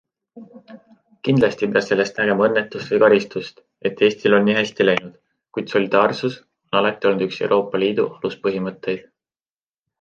Kindlasti ei pea sellest nägema õnnetust või karistust, et Eestil on nii hästi läinud, kuid solidaarsus on alati olnud üks ELi aluspõhimõtteid.